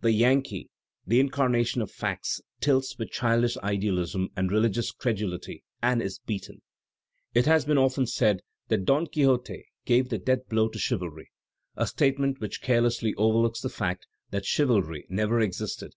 The Yankee, the incarnation of facts, tilts with childish idealism and religious credulity and is beaten! It has been often said that "Don Quixote gave the death blow to chiv alry" — a statement which carelessly overlooks the fact that chivalry never existed.